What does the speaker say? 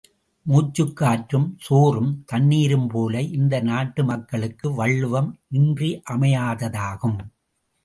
மூச்சுக் காற்றும், சோறும், தண்ணீரும்போல இந்த நாட்டு மக்களுக்கு வள்ளுவம் இன்றியமையாததாகும்.